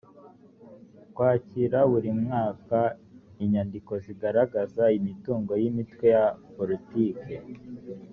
kwakira buri mwaka inyandiko zigaragaza imitungo y’imitwe ya politiki